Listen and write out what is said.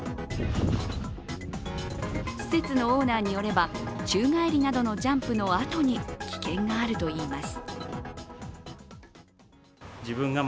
施設のオーナーによれば宙返りなどのジャンプのあとに危険があるといいます。